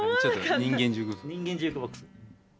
人間ジュークボックスが。